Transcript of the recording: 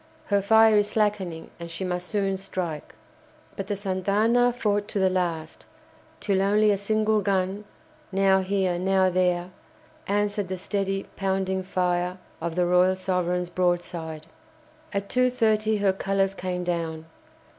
Her fire is slackening, and she must soon strike." But the "Santa Ana" fought to the last, till only a single gun, now here, now there, answered the steady, pounding fire of the "Royal Sovereign's" broadside. At 2.30 her colours came down.